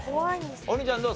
王林ちゃんどう？